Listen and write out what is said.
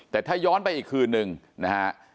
แต่ถ้าย้อนไปอีกคืนนึงนะฮะ